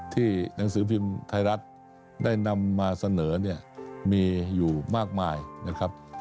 หนังสือพิมพ์ไทยรัฐได้นำมาเสนอเนี่ยมีอยู่มากมายนะครับ